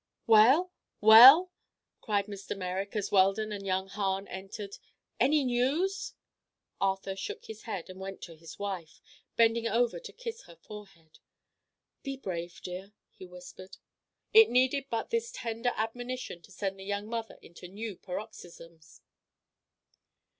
"Well? Well?" cried Mr. Merrick, as Weldon and young Hahn entered. "Any news?" Arthur shook his head and went to his wife, bending over to kiss her forehead. "Be brave, dear!" he whispered. It needed but this tender admonition to send the young mother into new paroxysms.